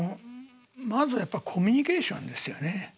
まずはやっぱコミュニケーションですよね。